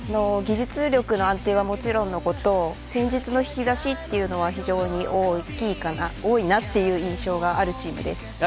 技術力の安定はもちろん戦術の引き出しが非常に多いなという印象があるチームです。